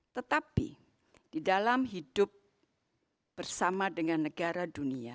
tetapi di dalam hidup bersama dengan negara dunia